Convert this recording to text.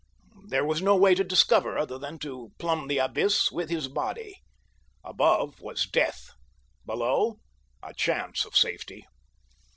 There was no way to discover other than to plumb the abyss with his body. Above was death—below, a chance of safety.